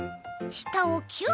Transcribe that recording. したをキュッ。